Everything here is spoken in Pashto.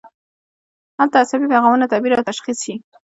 هلته عصبي پیغامونه تعبیر او تشخیص شي.